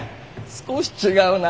少し違うな。